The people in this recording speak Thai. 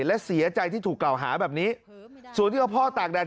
และเสียใจที่ถูกกล่าวหาแบบนี้ส่วนที่เอาพ่อตากแดด